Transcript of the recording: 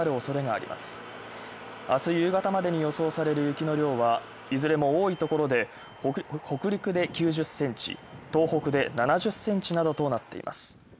あす夕方までに予想される雪の量は、いずれも多い所で、北陸で９０センチ、東北で７０センチなどとなっています。